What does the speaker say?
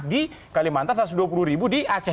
di kalimantan satu ratus dua puluh ribu di aceh